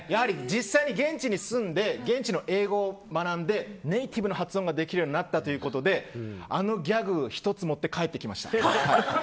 実際に現地に住んで現地の英語を学んでネイティブの発音ができるようになったということであのギャグを１つ持って帰ってきました。